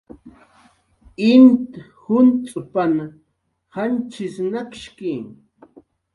"Intin juncx'p"" janchis nakshki"